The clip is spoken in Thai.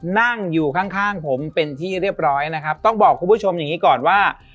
นั่งอยู่ข้างข้างผมเป็นที่เรียบร้อยนะครับต้องบอกคุณผู้ชมอย่างนี้ก่อนว่า